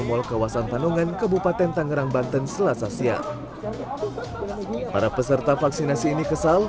mal kawasan tanongan kebupaten tangerang banten selas asia para peserta vaksinasi ini kesal